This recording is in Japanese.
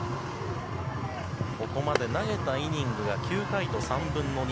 ここまで投げたイニングが９回と３分の２。